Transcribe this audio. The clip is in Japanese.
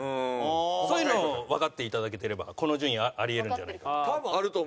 そういうのをわかって頂けてればこの順位はあり得るんじゃないかなと。